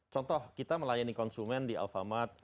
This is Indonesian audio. contoh kita melayani konsumen di alfamart